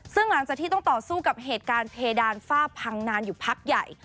ซึ่งหลังจากที่ต้องต่อสู้กับเหตุการณ์เพดานฝ้าพังนานอยู่พักใหญ่